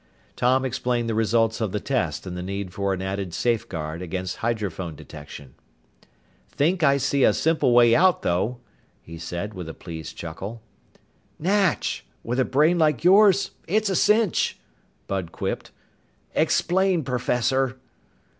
Tom explained the results of the test and the need for an added safeguard against hydrophone detection. "Think I see a simple way out, though," he added with a pleased chuckle. "Natch! With a brain like yours, it's a cinch," Bud quipped. "Explain, professor."